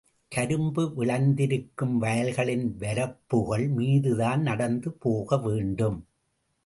கரும்பு விளைந்திருக்கும் வயல்களின் வரப்புகள் மீதுதான் நடந்து போக வேண்டும்.